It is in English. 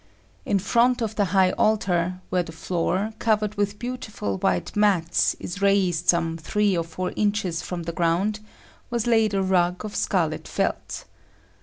In front of the high altar, where the floor, covered with beautiful white mats, is raised some three or four inches from the ground, was laid a rug of scarlet felt.